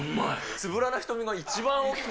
つぶらな瞳が一番大きく。